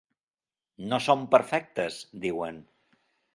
No som perfectes, diuen.